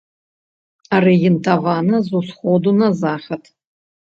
Арыентавана з усходу на захад.